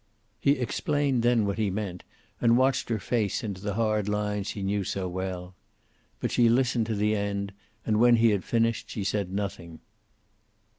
He explained then what he meant, and watched her face set into the hard lines he knew so well. But she listened to the end and when he had finished she said nothing.